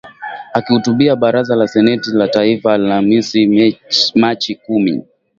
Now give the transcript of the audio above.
akihutubia Baraza la Seneti la taifa Alhamisi Machi kumi